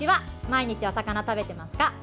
毎日、お魚食べてますか？